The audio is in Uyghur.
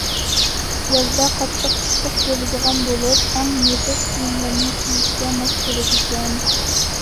يازدا قاتتىق ئىسسىق بولىدىغان بولۇپ، ئەڭ نېپىز كىيىملەرنى كىيىشكە ماس كېلىدىكەن.